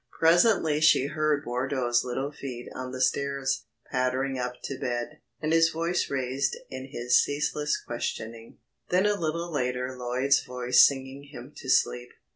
Presently she heard Wardo's little feet on the stairs, pattering up to bed, and his voice raised in his ceaseless questioning; then a little later Lloyd's voice singing him to sleep.